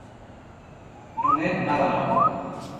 Non é nada novo.